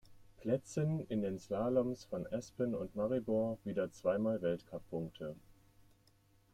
Plätzen in den Slaloms von Aspen und Maribor wieder zweimal Weltcuppunkte.